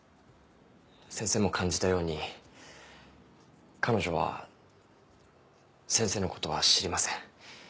先生も感じたように彼女は先生のことは知りません。